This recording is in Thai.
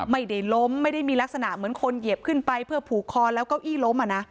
ไม่ได้ล้มไม่ได้มีลักษณะเหมือนคนเหยียบขึ้นไปเพื่อผูกคอแล้วเก้าอี้ล้ม